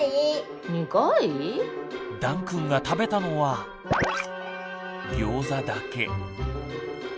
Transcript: だんくんが食べたのはギョーザだけ。